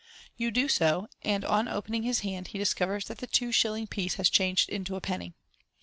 You do so, and on opening his hand he discovers that the two shilling piece has changed into a penny.